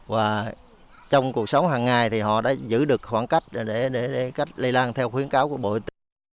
và trong cuộc sống hàng ngày thì họ đã giữ được khoảng cách để cách lây lan theo khuyến cáo của bộ y tế